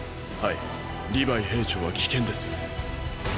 はいリヴァイ兵長は危険です。